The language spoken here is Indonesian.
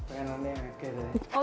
pengen nanya yang akhir ya